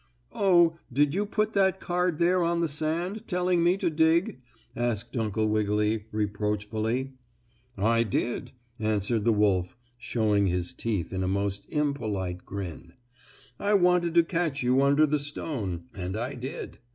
"Oh, did you put that card there on the sand, telling me to dig?" asked Uncle Wiggily reproachful like. "I did," answered the wolf, showing his teeth in a most impolite grin. "I wanted to catch you under the stone and I did.